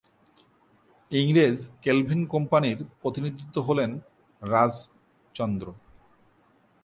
ইংরেজ কেলভিন কোম্পানির প্রতিনিধি হলেন রাজচন্দ্র।